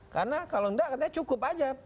karena kalau nggak katanya cukup aja